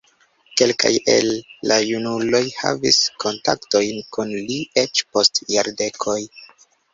Kelkaj el la junuloj havis kontaktojn kun li eĉ post jardekoj.